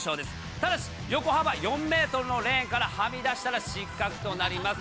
ただし、横幅４メートルのレーンからはみ出したら、失格となります。